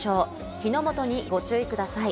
火の元にご注意ください。